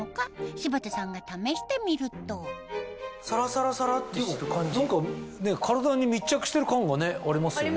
柴田さんが試してみると何か体に密着してる感がねありますよね。